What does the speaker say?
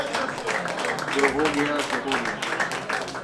جو ہو گیا سو ہو گیا